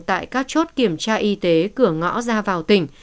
tại các chốt kiểm tra y tế cửa ngõ ra vào tỉnh